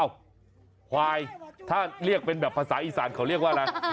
อ้าววายถ้าเป็นแบบภาษาอีสานเขาเรียกว่าอะไร